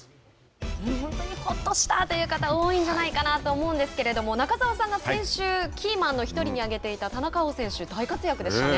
本当にほっとしたという方多いんじゃないかなと思うんですけれども中澤さんが、先週キーマンの１人に挙げていた田中碧選手大活躍でしたね。